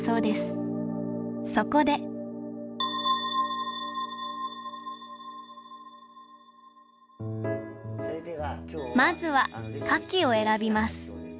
そこでまずは花器を選びます。